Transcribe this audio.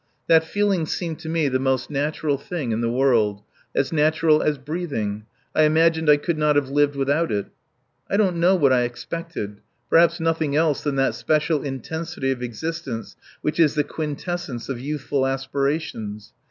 That feeling seemed to me the most natural thing in the world. As natural as breathing. I imagined I could not have lived without it. I don't know what I expected. Perhaps nothing else than that special intensity of existence which is the quintessence of youthful aspirations.